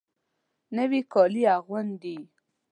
نوي کالي اغوندې